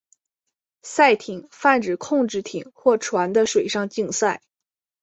赛艇泛指控制艇或船的水上竞赛。